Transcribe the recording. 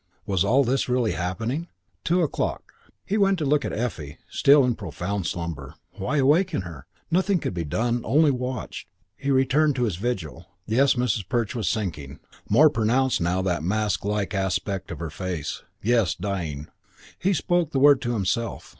Was all this really happening? Two o'clock. He went to look at Effie, still in profound slumber. Why awaken her? Nothing could be done; only watch. He returned to his vigil. Yes, Mrs. Perch was sinking. More pronounced now that masklike aspect of her face. Yes, dying. He spoke the word to himself.